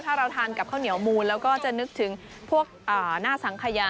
ถ้าเราทานกับข้าวเหนียวมูลแล้วก็จะนึกถึงพวกหน้าสังขยา